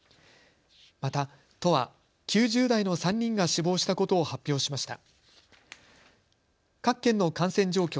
また都は９０代の３人が死亡したことを発表しました。